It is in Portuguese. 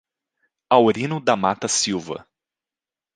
Aurino da Mata Silva